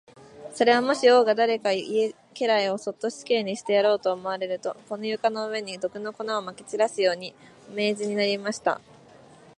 それは、もし王が誰か家来をそっと死刑にしてやろうと思われると、この床の上に、毒の粉をまき散らすように、お命じになります。